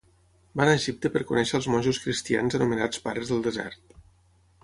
Va anar a Egipte per conèixer als monjos cristians anomenats pares del desert.